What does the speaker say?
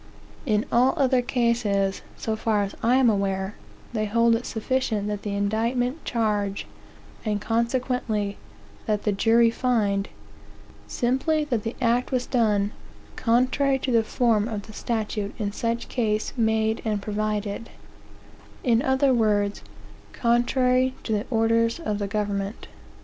In all other cases, so far as I am aware, they hold it sufficient that the indictment charge, and consequently that the jury find, simply that the act was done " contrary to the form of the statute in such case made and provided;" in other words, contrary to the orders of the government.